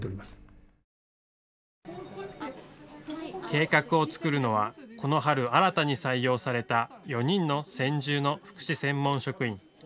計画を作るのはこの春、新たに採用された４人の専従の福祉専門職員。